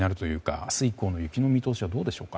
明日以降の雪の見通しはどうでしょうか。